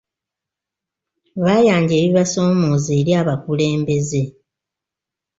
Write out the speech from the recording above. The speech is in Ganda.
Baayanja ebibasoomooza eri abakulembeze.